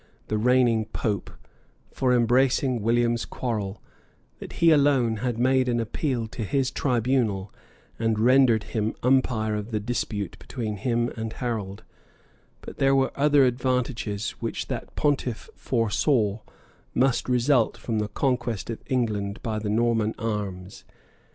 the reigning pope, for embracing William's quarrel, that he alone had made an appeal to his tribunal, and rendered him umpire of the dispute between him and Harold; but there were other advantages which that pontiff foresaw must result from the conquest of England by the Norman arms.